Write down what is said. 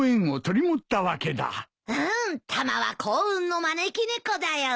うんタマは幸運の招き猫だよ。